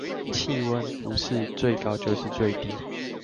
氣溫不是最高就是最低